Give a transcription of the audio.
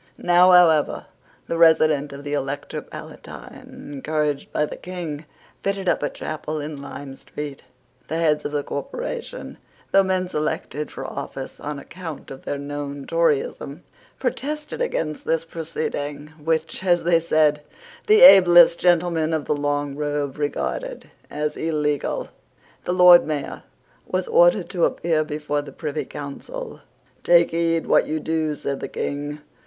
Now, however, the resident of the Elector Palatine, encouraged by the King, fitted up a chapel in Lime Street. The heads of the corporation, though men selected for office on account of their known Toryism, protested against this proceeding, which, as they said, the ablest gentlemen of the long robe regarded as illegal. The Lord Mayor was ordered to appear before the Privy Council. "Take heed what you do," said the King.